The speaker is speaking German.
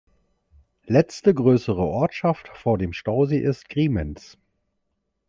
Letzte grössere Ortschaft vor dem Stausee ist Grimentz.